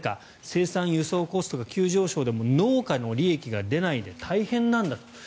生産・輸送コストが急上昇で農家の利益が出ないで大変なんだと。